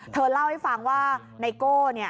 เธอเล่าให้ฟังว่าในโก้เนี่ย